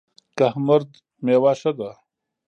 کهمرد میوه ښه ده؟